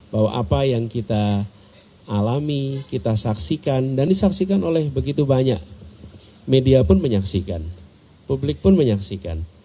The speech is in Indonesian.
bahwa apa yang kita alami kita saksikan dan disaksikan oleh begitu banyak media pun menyaksikan publik pun menyaksikan